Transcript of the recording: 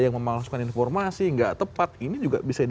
yang kemudian adalah bagaimana